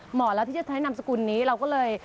เหมาะแล้วที่จะใช้นามสกุลนี้เราก็เลย